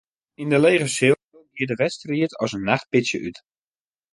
Yn de lege seal gie de wedstriid as in nachtpitsje út.